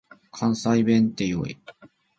関西弁って良い。